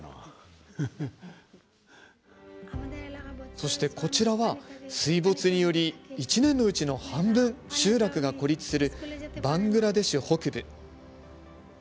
そしてこちらは水没により、１年のうち半分集落が孤立するバングラデシュ北部。